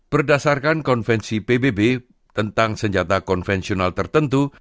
berdasarkan konvensi pbb tentang senjata konvensional tertentu